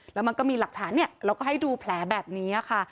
แล้วมันก็มีหลักฐานเนี่ยเราก็ให้ดูแผลแบบนี้ค่ะ